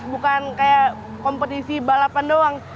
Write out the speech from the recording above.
bukan kayak kompetisi balapan doang